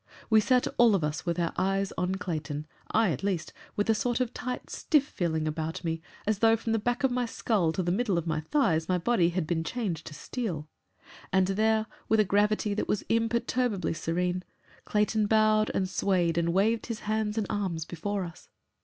We sat all of us with our eyes on Clayton I, at least, with a sort of tight, stiff feeling about me as though from the back of my skull to the middle of my thighs my body had been changed to steel. And there, with a gravity that was imperturbably serene, Clayton bowed and swayed and waved his hands and arms before us.